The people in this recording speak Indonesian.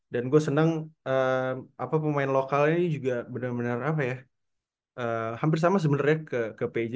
dan gue seneng pemain lokalnya ini juga bener bener apa ya hampir sama sebenernya ke pj